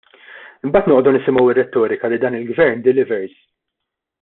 Imbagħad noqogħdu nisimgħu r-retorika li dan il-Gvern " delivers "!